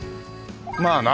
まあな。